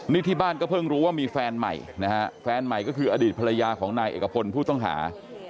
นี่ที่บ้านก็เพิ่งรู้ว่ามีแฟนใหม่นะฮะแฟนใหม่ก็คืออดีตภรรยาของนายเอกพลผู้ต้องหา